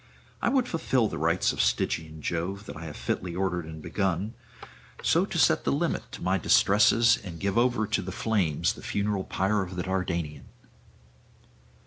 I would fulfil the rites of Stygian Jove that I have fitly ordered and begun, so to set the limit to my distresses and give over to the flames the funeral pyre of the Dardanian.'